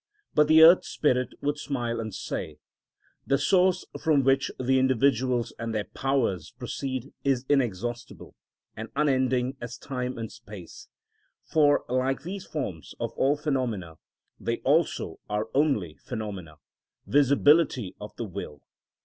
But the earth spirit would smile and say, "The source from which the individuals and their powers proceed is inexhaustible and unending as time and space; for, like these forms of all phenomena, they also are only phenomena, visibility of the will.